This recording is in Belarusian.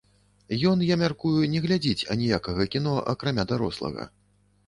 Ён, я мяркую, не глядзіць аніякага кіно, акрамя дарослага.